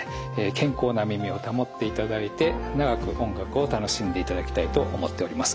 健康な耳を保っていただいて長く音楽を楽しんでいただきたいと思っております。